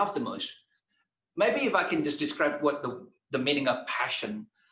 mungkin jika saya bisa menjelaskan apa artinya pasien